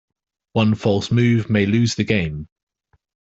One false move may lose the game.